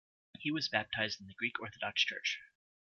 He was baptised in the Greek Orthodox Church.